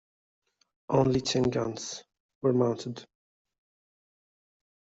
Only ten guns were mounted.